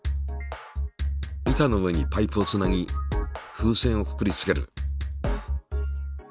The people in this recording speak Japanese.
板の上にパイプをつなぎ風船をくくりつける。